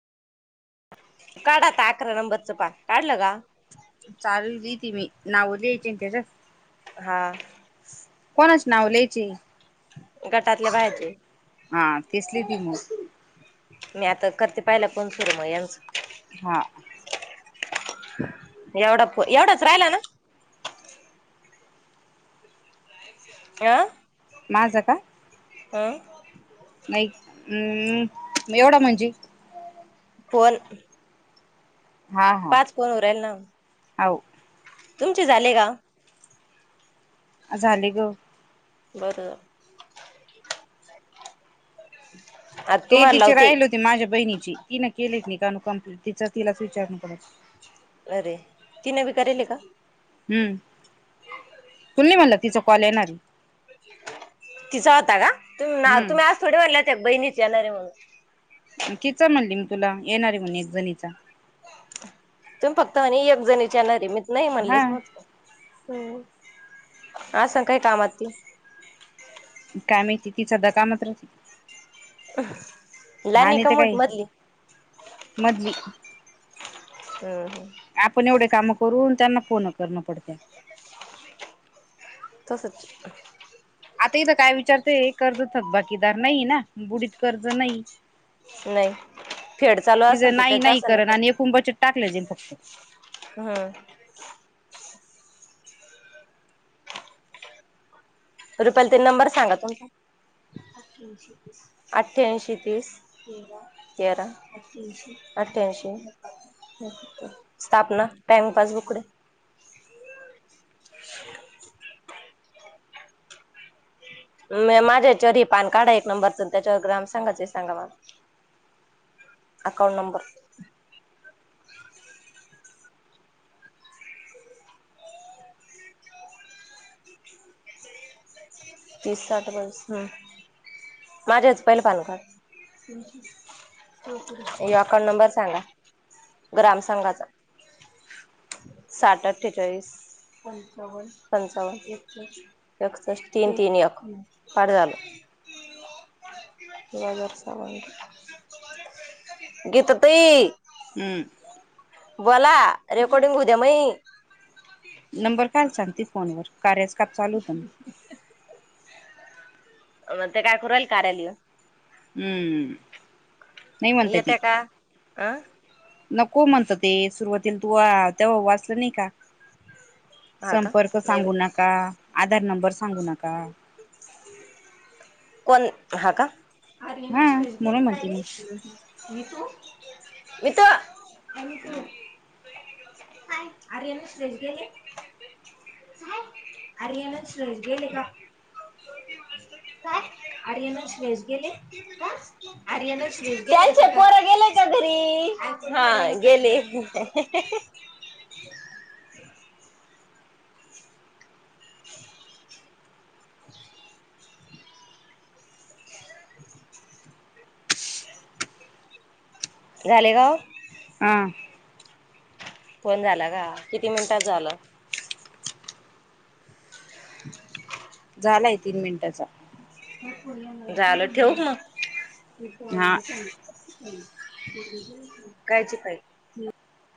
काढ आता अकरा नंबरचं पान काढलं का? चालूल देती मी नाव द्यायची न त्याच्यात? हा. कोणाचे नाव ल्यायचे? गटातल्या बायाचे. हा तेच लीती म. मी आता करते पायला फोन सुरू म याचं हा. एवढा फो एवढाच राहिला ना? आ? माझं का? हा? नाही हम्म म एवढं म्हणजे फोन हा हा. पाच फोन उरायल ना आव तुमचे झाले का? आ झाले ग. बरं. आता ते तुम्हाला तिचे लावते राहिले होते माझ्या बहिणीची, तिनं केले की ना कानू कंप्लीट तिचं तिलाच विचारून करत अरे, तिनं बी कराले का? हम्म, तू नाही म्हणला तिचं तिचा होता का? तु ना तुम्ही हम्म अस थोड्या म्हणल्या त्या बहिणीच येणार हाय म्हणून. म तिच म्हणली मी तुला, येणारे म्हणून एक भणीचा. तुम्ही फक्त म्हने एक जणच येणारे मी नाही हा म्हणलेच न्हवतो. हम्म, असन काय कामात ती? काय माहिती, ति सध्या कामात राहती. हा लहानी नाही का त मोठी काय, मधली मधली. हम्म हम्म. आपण एवढे काम करून त्यांना फोन करणं पडते. [inaudible] तसचे आता इथं काय विचारतय, कर्ज थकबाकीदार नाहीये ना? बुडीत कर्ज नाही. नाही. फेड चालू तिथं असेल तर, नाही त्याचा नाही असेल ना करण ते? आणि एकूण बचत टाकलं जाईन फक्त. हम्म. रुपाली ते नंबर सांगा तुमचा, अठ्ठयाऐंशी, तीस तेरा, अठ्ठयाऐंशी स्थापना, टाइमपास बुकडे नाई माझ्या हेच्यावर हे पान काडा एक नंबरच आणि त्याच्यावर ग्राम संगाचे सांगा मला अकाउंट नंबर तीस, साठ बस हम्म, माझ्या हेच पहिले पान काढ. यो अकाउंट नंबर सांगा. ग्रामसंघाचा, साठ अठ्ठेचाळीस पंचावन, एकसष्ट तीन-तीन एक फार झालं. गीता ताई हम्म. बोला रेकॉर्डिंग हृदया मई नंबर काय सांगते फोन वर कार्याच का चाल होतं [unintelligible] मग ते काय कुरल करायली हम्म नै म्हणते ती येत्या का अ नको म्हणत ते सुरुवातीला तू तेव्हा वाचलं नाही का हा का संपर्क नाही सांगू नका, आधार नंबर सांगू नका कोण हा का [unintelligible] हा म्हणून म्हणते मी मीथो हाय अर ये ना श्रेष गेले ह अर ना श गेले का काय अरयण शेस गेले आ यच्या पोर गेलाय का घरी हा गेले [unintelligible] झाले गाव आ फोन झाला का किती मिनिटात झाला [inaudible] झालाय तीन मिनिटाचा झाल ठेवू का हा कायची पाय.